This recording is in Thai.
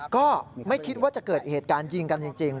ก็ไม่คิดว่าจะเกิดเหตุการณ์ยิงกันจริง